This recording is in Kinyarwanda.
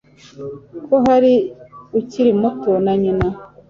Ko hari ukiri muto na nyina